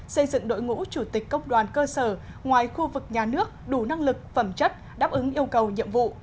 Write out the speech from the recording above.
xây dựng đội ngũ chủ tịch cốc đoàn cơ sở ngoài khu vực nhà nước đủ năng lực phẩm chất đáp ứng yêu cầu nhiệm vụ